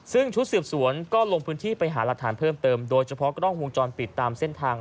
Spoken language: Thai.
ซึ่งชุดสืบสวนก็ลงพื้นที่ไปหารักฐานเพิ่มเติมโดยเฉพาะกล้องวงจรปิดตามเส้นทาง